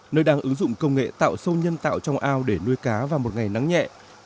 nơi đang ứng dụng công nghệ tạo sâu nhân tạo trong ao để nuôi cá vào một ngày nắng nhẹ